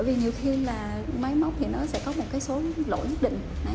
bởi vì nhiều khi là máy móc thì nó sẽ có một số lỗi nhất định